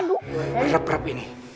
rap rap rap ini